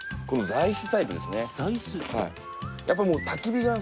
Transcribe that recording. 座椅子？